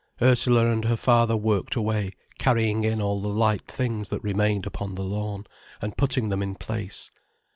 Ursula and her father worked away carrying in all the light things that remained upon the lawn, and putting them in place.